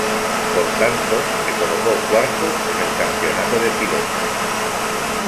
Por tanto, se colocó cuarto en el campeonato de pilotos.